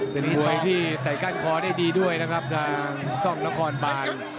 เป็นมวยที่ไต่ก้านคอได้ดีด้วยนะครับทางกล้องนครบาน